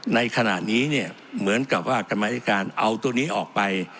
ในขณะนี้เนี่ยเหมือนกับว่ากรรมธิการเอาตัวนี้ออกไป